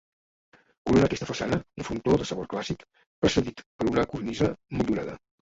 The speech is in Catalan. Corona aquesta façana un frontó de sabor clàssic, precedit per una cornisa motllurada.